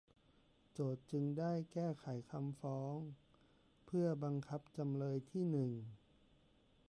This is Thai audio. โจทก์จึงได้แก้ไขคำฟ้องเพื่อบังคับจำเลยที่หนึ่ง